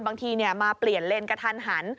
บางทีมาเปลี่ยนเลนกระทันหัน